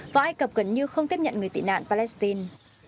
và ai cập gần như không tiếp nhận người tị nạn palestine